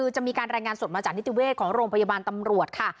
จะมีการรายงานสดมาจากนิติเวชของโรงพยาบาลตำรวจค่ะ